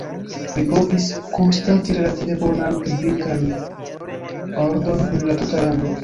Mi povis konstati relative bonan publikan ordon en la tuta lando.